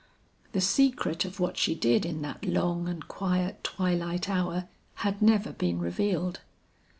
The secret of what she did in that long and quiet twilight hour had never been revealed.